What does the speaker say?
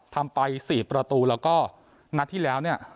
ทำไป๔ประตูแล้วก็นัดที่แล้วเนี่ย